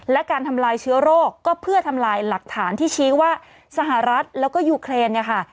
และการทำลายเชื้อโรคก็เพื่อทำลายหลักฐานที่ชี้ว่าสหรัฐแล้วก็ยูเครนเนี่ยค่ะ